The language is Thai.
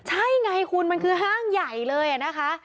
ใช่ไงคุณมันคือห้างใหญ่เลยนะคะ